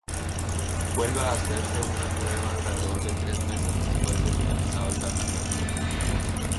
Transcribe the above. Vuelva a hacerse una prueba alrededor de tres meses después de finalizado el tratamiento.